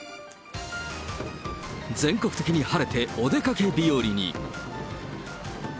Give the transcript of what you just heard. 全国的に晴れてお出かけ日和に。